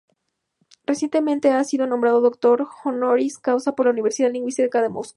Recientemente ha sido nombrado Doctor Honoris Causa por la Universidad Lingüística de Moscú